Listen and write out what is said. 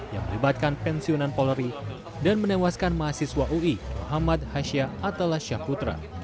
yang melibatkan pensiunan poleri dan menewaskan mahasiswa ui muhammad hashya atalashya putra